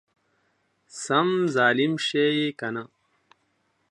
سم ظالم شې يې کنه!